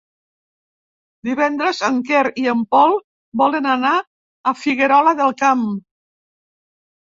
Divendres en Quer i en Pol volen anar a Figuerola del Camp.